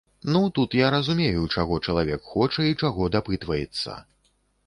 Ну, тут я разумею, чаго чалавек хоча і чаго дапытваецца.